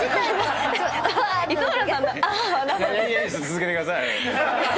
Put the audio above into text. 続けてください。